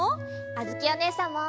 あづきおねえさんも！